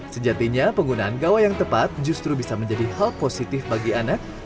sejatinya penggunaan gawa yang tepat justru bisa menjadi hal positif bagi anak